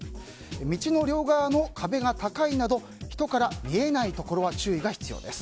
道の両側の壁が高いところなど人から見えないところは注意が必要です。